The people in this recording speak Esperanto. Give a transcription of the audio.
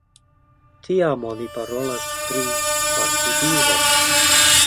Tiam oni parolas pri partituro.